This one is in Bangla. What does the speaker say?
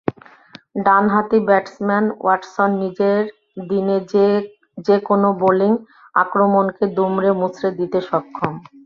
ডান হাতি ব্যাটসম্যান ওয়াটসন নিজের দিনে যেকোনো বোলিং আক্রমণকে দুমড়ে-মুচড়ে দিতে সক্ষম।